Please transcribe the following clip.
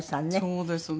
そうですね。